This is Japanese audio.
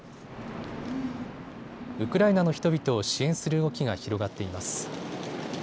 ウクライナの人々を支援する動きが広がっています。